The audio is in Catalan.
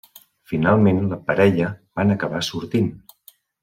Finalment, la parella van acabar sortint.